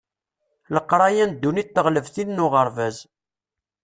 Leqraya n ddunit teɣleb tin n uɣerbaz.